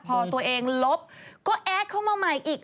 พอตัวเองลบก็แอดเข้ามาใหม่อีก